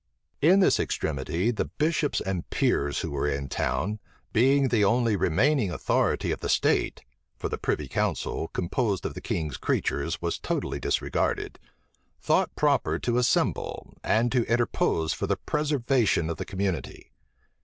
In this extremity, the bishops and peers who were in town, being the only remaining authority of the state, (for the privy council, composed of the king's creatures, was totally disregarded,) thought proper to assemble, and to interpose for the preservation of the community.